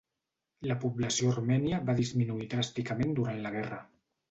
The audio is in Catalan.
La població armènia va disminuir dràsticament durant la guerra.